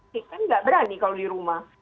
dia kan tidak berani kalau di rumah